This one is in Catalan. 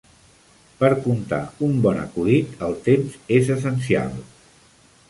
Per contar un bon acudit, el temps és essencial.